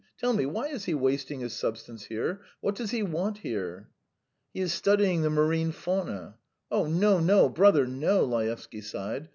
Tell me: why is he wasting his substance here? What does he want here?" "He is studying the marine fauna." "No, no, brother, no!" Laevsky sighed.